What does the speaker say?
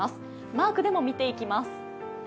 マークでも見ていきます。